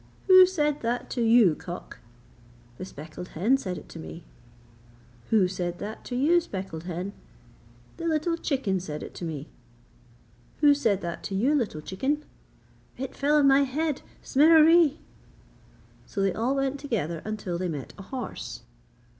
'Who said that to you, cock?' 'The speckled hen said it to me.' 'Who said that to you, speckled hen?' 'The little chicken said it to me.' 'Who said that to you, little chicken?' 'It fell on my head, Smereree!' So they all went together until they met a horse.